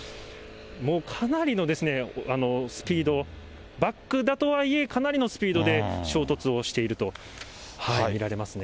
もうかなりのスピード、バックだとはいえ、かなりのスピードで衝突をしていると見られますね。